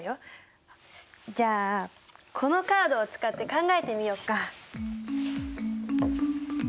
じゃあこのカードを使って考えてみよっか！